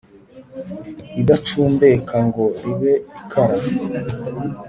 idacumbeka ngo ribe ikara